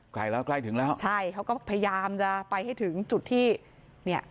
ใกล้แล้วใกล้ถึงแล้วใช่เขาก็พยายามจะไปให้ถึงจุดที่เนี่ย